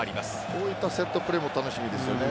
こういったセットプレーも楽しみですよね。